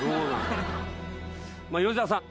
吉沢さん